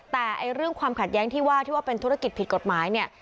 แต่เรื่องความขัดแย้งที่ว่าที่ว่าเป็นธุรกิจผิดกฎหมายเนี่ย